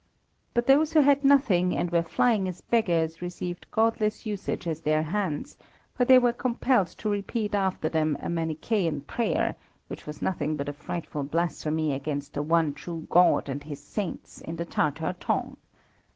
But those who had nothing and were flying as beggars received godless usage at their hands, for they were compelled to repeat after them a Manichæan prayer, which was nothing but a frightful blasphemy against the one true God and His saints in the Tatar tongue.